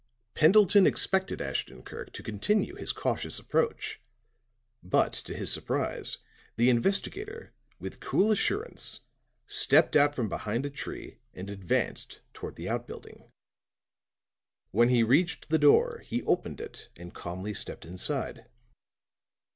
Pendleton expected Ashton Kirk to continue his cautious approach. But to his surprise the investigator with cool assurance stepped out from behind a tree and advanced toward the outbuilding; when he reached the door he opened it and calmly stepped inside.